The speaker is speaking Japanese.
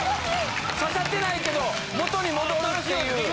ささってないけど元に戻るという。